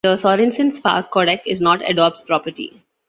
The Sorenson Spark codec is not Adobe's property.